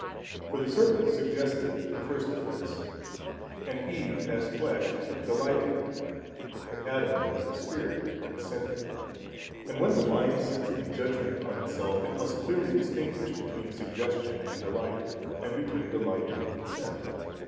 For the serpent suggested the first offence, and Eve, as flesh, took delight in it, but Adam, as the spirit, consented. And when the mind sits in judgement on itself, it must clearly distinguish between suggestion and delight, and between delight and consent.